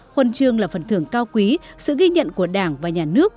huân chương là phần thưởng cao quý sự ghi nhận của đảng và nhà nước